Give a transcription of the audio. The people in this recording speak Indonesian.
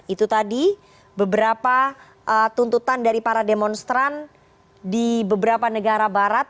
itu tadi beberapa tuntutan dari para demonstran di beberapa negara barat